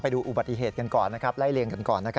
ดูอุบัติเหตุกันก่อนไล่เลี่ยงกันก่อน